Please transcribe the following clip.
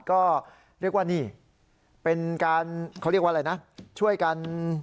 ก็เรียกว่านี่เป็นการเขาเรียกว่าอะไรนะช่วยกัน